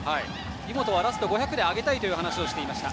井本はラスト５００で上げたいと話していました。